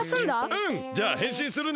うん！じゃあへんしんするね！